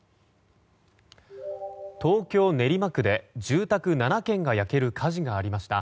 東京・練馬区で住宅７軒が焼ける火事がありました。